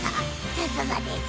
さすがです